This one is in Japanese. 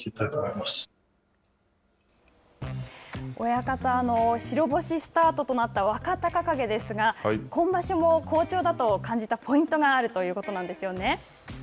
親方、白星スタートとなった若隆景ですが今場所も好調だと感じたポイントがあるということなんですよね？